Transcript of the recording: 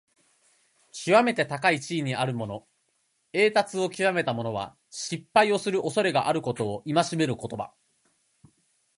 きわめて高い地位にあるもの、栄達をきわめた者は、失敗をするおそれがあることを戒める言葉。